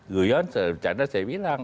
guh yon secara bercanda saya bilang